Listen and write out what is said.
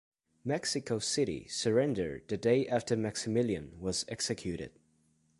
Mexico City surrendered the day after Maximilian was executed.